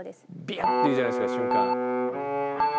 ビュッ！っていうじゃないですか瞬間。